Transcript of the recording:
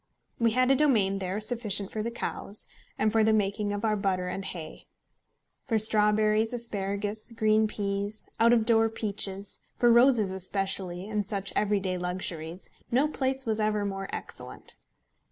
We had a domain there sufficient for the cows, and for the making of our butter and hay. For strawberries, asparagus, green peas, out of door peaches, for roses especially, and such everyday luxuries, no place was ever more excellent.